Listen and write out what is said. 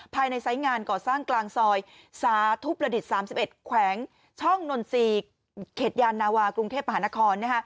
ไซส์งานก่อสร้างกลางซอยสาธุประดิษฐ์๓๑แขวงช่องนนทรีย์เขตยานนาวากรุงเทพมหานคร